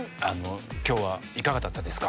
今日はいかがだったですか？